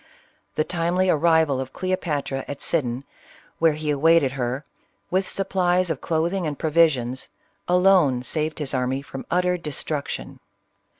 The timely arrival of Cleopatra at Sidon, where he awaited her, with supplies of clothing and provisions, alone saved his army from utter destruction.